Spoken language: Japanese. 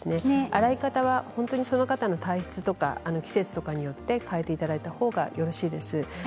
洗い方はその方の体質や、季節によって変えていただいたほうがよろしいです。